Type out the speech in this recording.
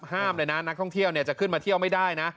ห้ามเลยนะนักท่องเที่ยวจะขึ้นมาเที่ยวไม่ได้นะ